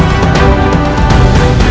kita serang pajajara